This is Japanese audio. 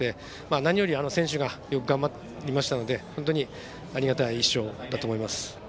何より選手がよく頑張りましたのでありがたい１勝だと思います。